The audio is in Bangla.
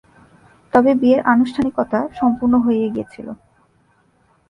তবে বিয়ের আনুষ্ঠানিকতা সম্পূর্ণ হয়ে গিয়েছিল।